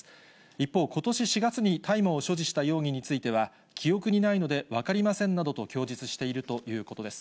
一方、ことし４月に大麻を所持した容疑については、記憶にないので分かりませんなどと供述しているということです。